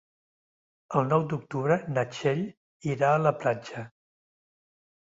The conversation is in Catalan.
El nou d'octubre na Txell irà a la platja.